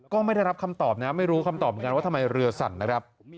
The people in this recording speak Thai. ก็ไม่ได้รับคำตอบนะไม่รู้คำตอบเหมือนกันว่าทำไมเรือสั่นนะครับ